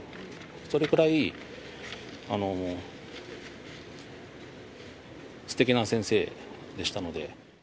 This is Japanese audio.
それくらい、すてきな先生でしたので。